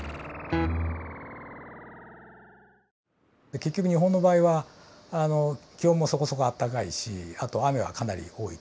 結局日本の場合は気温もそこそこあったかいしあと雨はかなり多いと。